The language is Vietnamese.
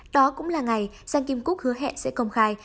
đó cũng là ngày sang kim cúc hứa hẹn sẽ công khai